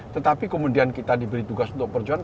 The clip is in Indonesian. tetapi kemudian kita diberi tugas untuk perjuangan